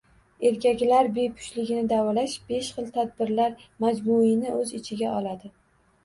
Erkaklar bepushtligini davolash besh xil tadbirlar majmuini o‘z ichiga oladi.